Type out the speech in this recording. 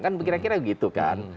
kira kira begitu kan